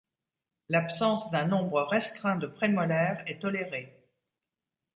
L'absence d'un nombre restreint de prémolaires est toléré.